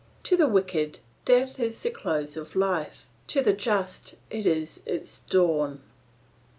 To the wicked, death is the close of life; to the just it is its dawn."